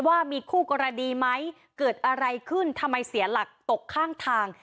ว่ามีคู่กรณีไหมเกิดอะไรขึ้นทำไมเสียหลักตกข้างทาง